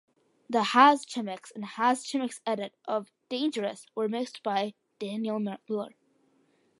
The "Hazchemix" and "Hazchemix Edit" of "Dangerous" were mixed by Daniel Miller.